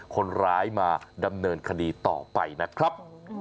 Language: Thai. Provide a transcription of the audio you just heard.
คนร้ายมาดำเนินคดีต่อไปนะครับ